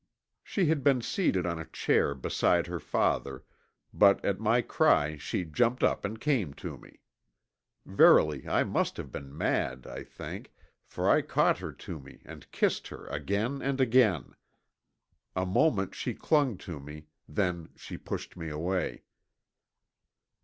She had been seated on a chair beside her father, but at my cry she jumped up and came to me. Verily I must have been mad, I think, for I caught her to me and kissed her again and again. A moment she clung to me, then she pushed me away.